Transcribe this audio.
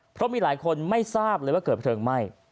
เพราะมีหลายคนไม่ทราบเลยว่าเกิดเพลิงไหม้